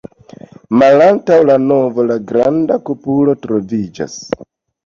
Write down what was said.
Malantaŭ la navo la granda kupolo troviĝas.